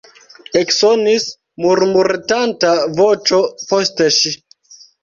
Eksonis murmuretanta voĉo post ŝi.